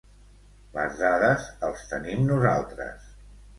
Les dades els tenim nosaltres.